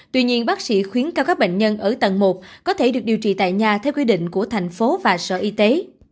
tuy nhiên bác sĩ khuyến cao các bệnh nhân ở tầng một có thể được điều trị tại nhà theo quy định của thành phố và sở y tế